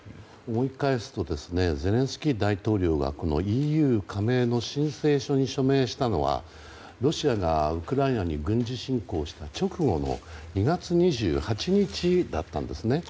思い返すとゼレンスキー大統領がＥＵ加盟の申請書に署名したのはロシアがウクライナに軍事侵攻した直後の２月２８日だったんです。